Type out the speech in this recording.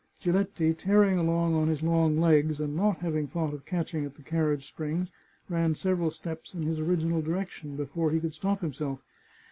Giletti, tearing along on his long legs, and not having thought of catching at the carriage springs, ran several steps in his original direction before he could stop himself.